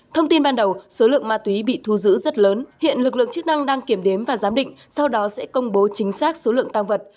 thông tin ban đầu số lượng ma túy bị thu giữ rất lớn hiện lực lượng chức năng đang kiểm đếm và giám định sau đó sẽ công bố chính xác số lượng tăng vật